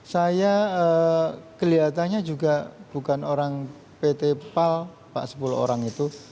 saya kelihatannya juga bukan orang pt pal pak sepuluh orang itu